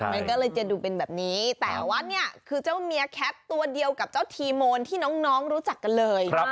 มันก็เลยจะดูเป็นแบบนี้แต่ว่าเนี่ยคือเจ้าเมียแคทตัวเดียวกับเจ้าทีโมนที่น้องรู้จักกันเลย